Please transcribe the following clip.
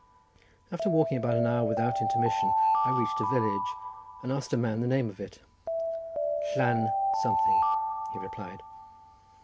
After walking about an hour without intermission I reached a village, and asked a man the name of it. "Llan— something," he replied.